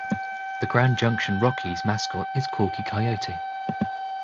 The Grand Junction Rockies mascot is Corky Coyote.